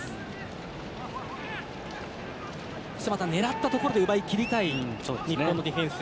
狙ったところで奪い切りたい日本のディフェンス。